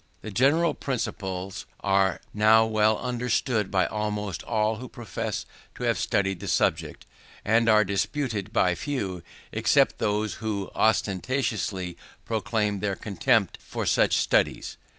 These general principles are now well understood by almost all who profess to have studied the subject, and are disputed by few except those who ostentatiously proclaim their contempt for such studies.